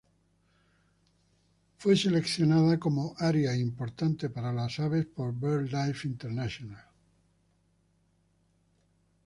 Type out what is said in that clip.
Fue seleccionada área importante para las aves por BirdLife International.